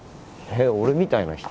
俺みたいな人？